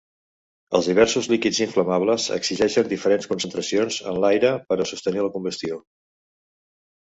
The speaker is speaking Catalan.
Els diversos líquids inflamables exigeixen diferents concentracions en l'aire per a sostenir la combustió.